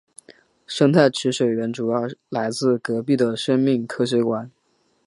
生态池水源主要来自隔壁的生命科学馆。